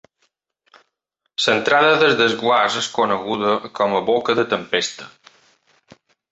L'entrada del desguàs és coneguda com a boca de tempesta.